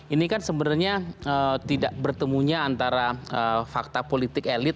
ini kan sebenarnya tidak bertemunya antara fakta politik elit